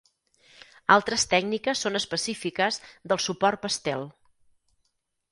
Altres tècniques són específiques del suport pastel.